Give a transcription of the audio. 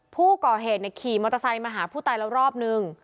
ผู้ก่อเหตุขี่มอเตอร์ไซค์มาหาผู้ตายแล้วรอบนึง